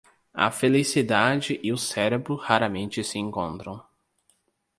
A felicidade e o cérebro raramente se encontram.